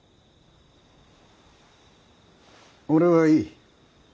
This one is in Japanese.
俺はいい。